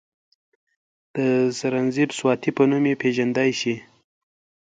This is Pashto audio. د سرنزېب سواتي پۀ نوم پ ېژندے شي،